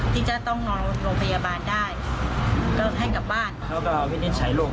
ที่จะต้องนอนโรงพยาบาลได้ก็ให้กลับบ้านเขาก็วินิจฉัยโรค